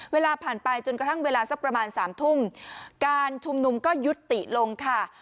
เวลาผ่านไปจนกระทั่งเวลาสักประมาณสามทุ่มการชุมนุมก็ยุติลงค่ะ